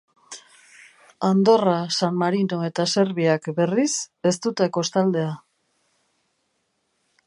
Andorra, San Marino eta Serbiak, berriz, ez dute kostaldea.